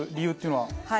はい。